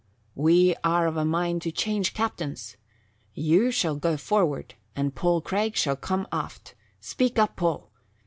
"We are of a mind to change captains. You shall go forward and Paul Craig shall come aft. Speak up, Paul!